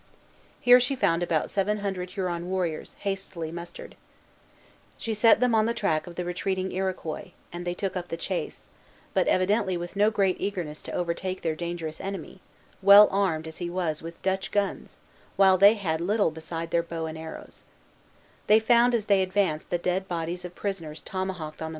Here she found about seven hundred Huron warriors, hastily mustered. She set them on the track of the retreating Iroquois, and they took up the chase, but evidently with no great eagerness to overtake their dangerous enemy, well armed as he was with Dutch guns, while they had little beside their bows and arrows.